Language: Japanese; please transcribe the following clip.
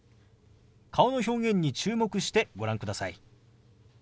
顔の表現に注目してご覧ください。